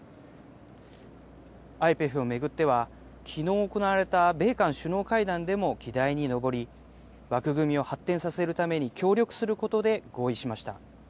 ＩＰＥＦを巡っては、きのう行われた米韓首脳会談でも議題に上り、枠組みを発展させるために協力することで合意しました。